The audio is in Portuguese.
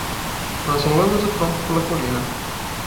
Nós rolamos o tronco pela colina.